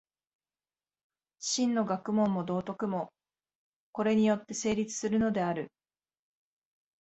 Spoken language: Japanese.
真の学問も道徳も、これによって成立するのである。